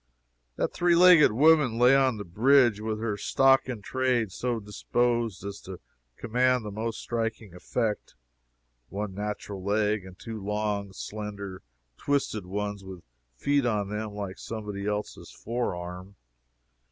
That three legged woman lay on the bridge, with her stock in trade so disposed as to command the most striking effect one natural leg, and two long, slender, twisted ones with feet on them like somebody else's fore arm.